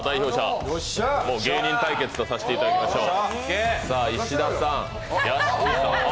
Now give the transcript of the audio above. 芸人対決とさせていただきましょう。